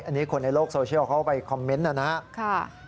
อันนี้คนในโลกโซเชียลเขาไปคอมเมนต์นะครับ